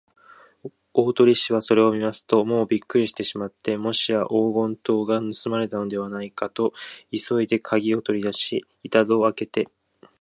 大鳥氏はそれを見ますと、もうびっくりしてしまって、もしや黄金塔がぬすまれたのではないかと、急いでかぎをとりだし、板戸をあけて